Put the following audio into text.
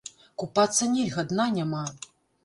Купацца нельга, дна няма!